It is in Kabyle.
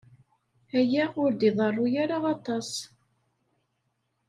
Aya ur d-iḍerru ara aṭas.